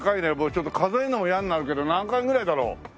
ちょっと数えるのも嫌になるけど何階ぐらいだろう？